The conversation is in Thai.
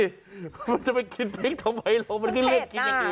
มันจะไม่กินพริกทำไมเรา